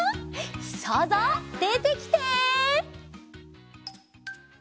そうぞうでてきて！